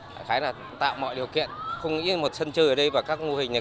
phải khái là tạo mọi điều kiện không nghĩ một sân chơi ở đây và các mô hình này